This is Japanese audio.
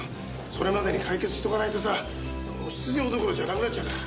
それまでに解決しとかないとさ出場どころじゃなくなっちゃうから。